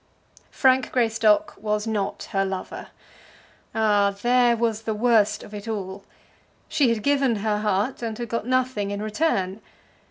Frank Greystock was not her lover. Ah, there was the worst of it all! She had given her heart and had got nothing in return.